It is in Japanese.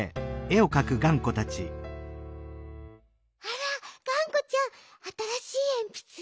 あらがんこちゃんあたらしいえんぴつ？